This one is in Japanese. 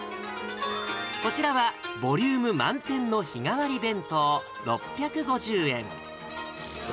こちらはボリューム満点の日替わり弁当６５０円。